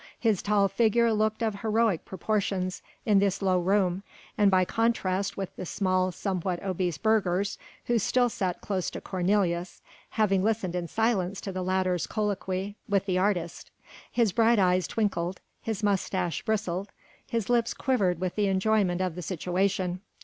His tall figure looked of heroic proportions in this low room and by contrast with the small, somewhat obese burghers who still sat close to Cornelius, having listened in silence to the latter's colloquy with the artist. His bright eyes twinkled, his moustache bristled, his lips quivered with the enjoyment of the situation.